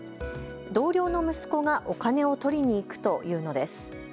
同僚の息子がお金を取りに行くと言うのです。